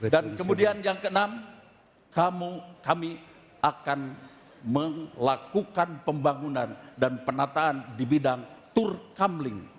dan kemudian yang keenam kami akan melakukan pembangunan dan penataan di bidang tur kamling